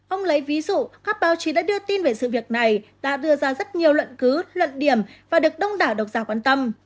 ông lấy ví dụ các báo chí đã đưa tin về sự việc này đã đưa ra rất nhiều luận cứ luận điểm và được đông đảo độc giả quan tâm